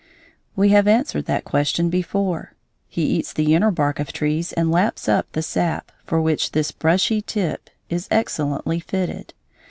We have answered that question before: he eats the inner bark of trees and laps up the sap, for which this brushy tip is excellently fitted.